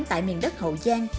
tại miền đất hậu giang